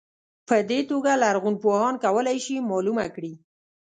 په دې توګه لرغونپوهان کولای شي معلومه کړي.